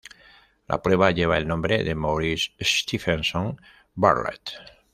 La prueba lleva el nombre de Maurice Stevenson Bartlett.